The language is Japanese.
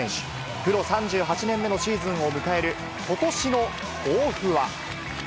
プロ３８年目のシーズンを迎えることしの抱負は。